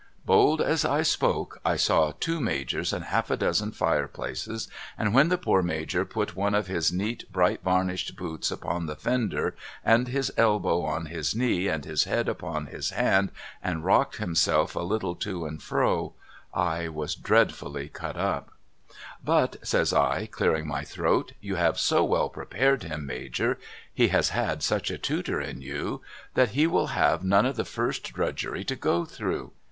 Bold as I spoke, I saw two Majors and half a dozen fireplaces, and when the poor Major put one of his neat bright varnished boots upon the fender and his elbow on his knee and his head upon his hand and rocked himself a little to and fro, I was dreadfully cut up. 346 MRS. LIRRIPER'S LODGINGS ' But ' says I clearing my throat ' you have so well prepared him ?.lajor — he has had such a Tutor in you — that he will have none of the first drudgery to go through.